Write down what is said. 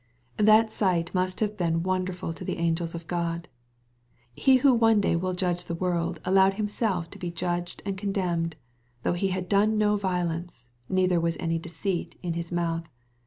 That sight must have been wonderful to the angels of God. He who will one day judge the world allowed himself to be judged and condemned, though " he had done no violence, neither was any deceit in his mouth."